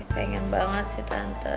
pengen banget sih tante